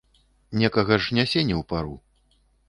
Некага ж нясе не ў пару.